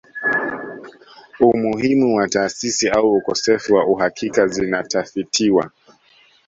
Umuhimu wa taasisi au ukosefu wa uhakika zinatafitiwa